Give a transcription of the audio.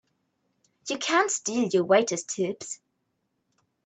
You can't steal your waiters' tips!